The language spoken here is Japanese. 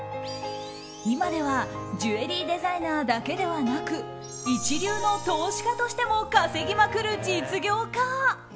今ではジュエリーデザイナーだけではなく一流の投資家としても稼ぎまくる実業家。